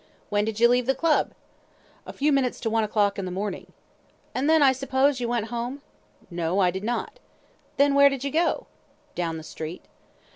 "When did you leave the Club?" "A few minutes to one o'clock in the morning." "And then, I suppose, you went home?" "No; I did not." "Then where did you go?" "Down the street."